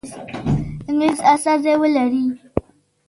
انګلیس استازی ولري.